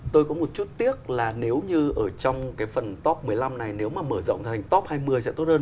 tôi có một chút tiếc là nếu như ở trong cái phần top một mươi năm này nếu mà mở rộng thành top hai mươi sẽ tốt hơn